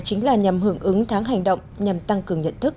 chính là nhằm hưởng ứng tháng hành động nhằm tăng cường nhận thức